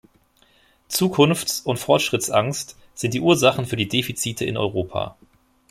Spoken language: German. Zukunftsund Fortschrittsangst sind die Ursachen für die Defizite in Europa.